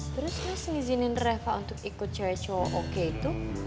terus mas ngizinin reva untuk ikut cewek cowok oke itu